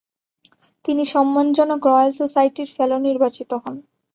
তিনি সম্মান জনক রয়েল সোসাইটির ফেলো নির্বাচিত হন।